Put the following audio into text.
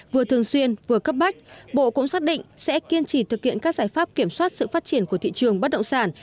vừa thường xuyên vừa cấp bách bộ cũng xác định sẽ kiên trì thực hiện các giải pháp kiểm soát sự phát triển của thị trường bất động sản